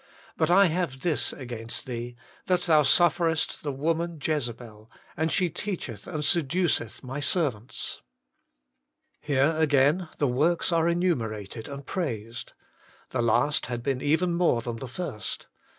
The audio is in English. But I have this against thee, that thou sufferest the woman Jezebel, and she teacheth and seduceth My servants/ Here again the works are enumerated and praised : the last had even been more than the first.